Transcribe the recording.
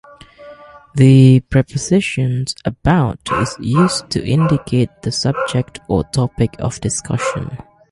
The preposition "about" is used to indicate the subject or topic of discussion.